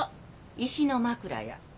石の枕や。